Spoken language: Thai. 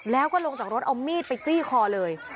แล้วก็ลงจากรถเอามีดไปจี้คอเลย